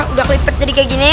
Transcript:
udah aku lipat jadi kayak gini